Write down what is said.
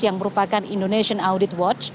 yang merupakan indonesian audit watch